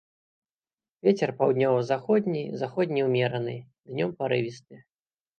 Вецер паўднёва-заходні, заходні ўмераны, днём парывісты.